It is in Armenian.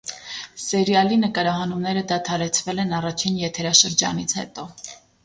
Սերիալի նկարահանումները դադարեցվել են առաջին եթերաշրջանից հետո։